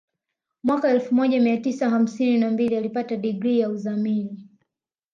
Mwaka elfu moja mia tisa hamsini na mbili alipata digrii ya uzamili